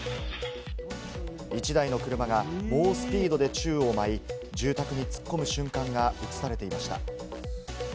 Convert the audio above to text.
１台の車が猛スピードで宙を舞い、住宅に突っ込む瞬間が映されていました。